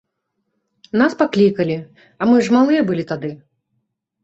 Нас паклікалі, а мы ж малыя былі тады.